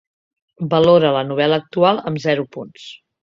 valora la novel·la actual amb zero punts